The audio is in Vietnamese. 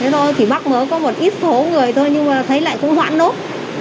thế thôi thì bắc mới có một ít số người thôi nhưng mà thấy lại cũng hoãn lốt